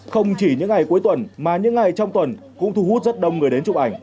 không chỉ những ngày cuối tuần mà những ngày trong tuần cũng thu hút rất đông người đến chụp ảnh